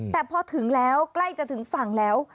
แต่พอถึงแล้วใกล้จะถึงฝั่งแล้ว